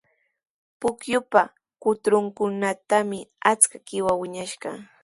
Pukyupa kutrunkunatrawmi achka qiwa wiñashqa.